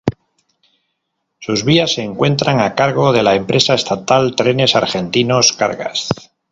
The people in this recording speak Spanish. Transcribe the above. Sus vías se encuentran a cargo de la empresa estatal Trenes Argentinos Cargas.